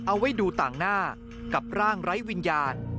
เอาไว้ดูต่างหน้ากับร่างไร้วิญญาณ